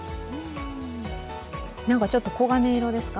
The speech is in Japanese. ちょっと黄金色ですか？